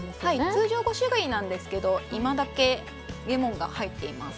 通常５種類なんですけど今だけレモンが入っています。